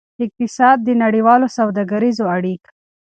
اقتصاد د نړیوالو سوداګریزو اړیک